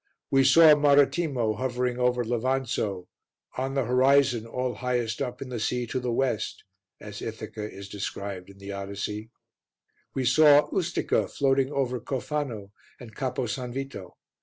We saw Marettimo hovering over Levanzo "on the horizon all highest up in the sea to the West," as Ithaca is described in the Odyssey. We saw Ustica floating over Cofano and Capo S. Vito.